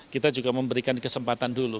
kita juga memberikan kesempatan dulu